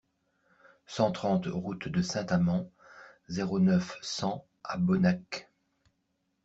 cent trente route de Saint-Amans, zéro neuf, cent à Bonnac